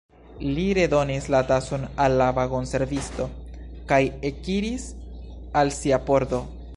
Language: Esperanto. Li redonis la tason al la vagonservisto, kaj ekiris al sia pordo.